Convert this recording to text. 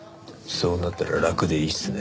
そうなったら楽でいいっすね。